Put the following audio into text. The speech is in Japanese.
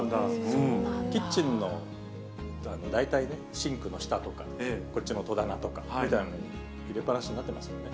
キッチンの、大体ね、シンクの下とか、こっちの戸棚とかに入れっぱなしになってますよね。